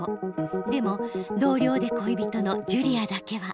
でも同僚で恋人のジュリアだけは。